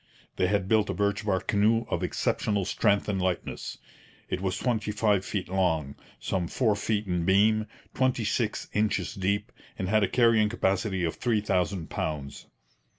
They had built a birch bark canoe of exceptional strength and lightness. It was twenty five feet long, some four feet in beam, twenty six inches deep, and had a carrying capacity of three thousand pounds.